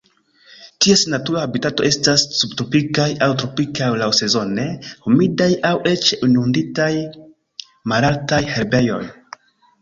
Ties natura habitato estas subtropikaj aŭ tropikaj laŭsezone humidaj aŭ eĉ inunditaj malaltaj herbejoj.